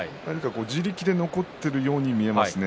自力で残っているように見えますね。